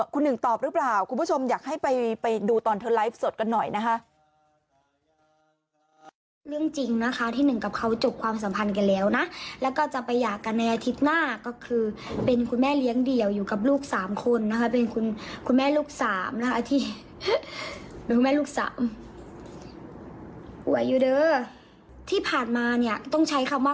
คุณหนึ่งตอบหรือเปล่าคุณผู้ชมอยากให้ไปดูตอนเธอไลฟ์สดกันหน่อยนะคะ